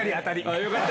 よかった！